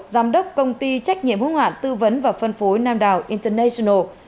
giám đốc công ty trách nhiệm hương hoạn tư vấn và phân phối nam đảo international